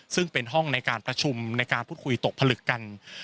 ซึ่งเป็นห้องในการประชุมในการพูดคุยตกผลึกกัน